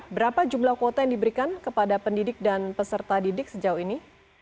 berapa jumlah kuota yang diberikan kepada pendidik dan peserta didik sejauh ini